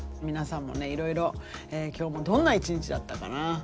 皆さんもねいろいろ今日もどんな一日だったかな。